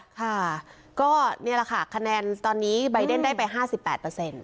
ค่ะก็เนี่ยแหละค่ะคะแนนตอนนี้ใบเดนได้ไปห้าสิบแปดเปอร์เซ็นต์